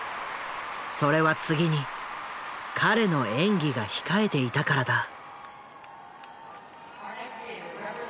それは次に彼の演技が控えていたからだ。